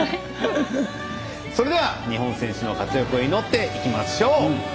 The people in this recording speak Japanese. それでは、日本選手の活躍を祈っていきましょう。